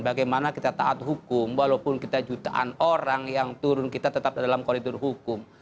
bagaimana kita taat hukum walaupun kita jutaan orang yang turun kita tetap dalam koridor hukum